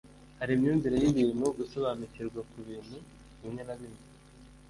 hari imyumvire y'ibintu, gusobanukirwa ku bintu bimwe na bimwe